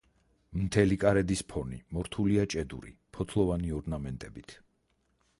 მთელი კარედის ფონი მორთულია ჭედური ფოთლოვანი ორნამენტებით.